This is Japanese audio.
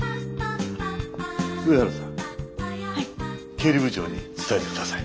経理部長に伝えて下さい。